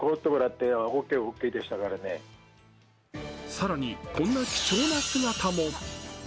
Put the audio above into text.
更に、こんな貴重な姿も。